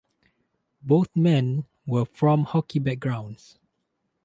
Both men were from hockey backgrounds.